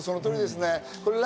その通りですね。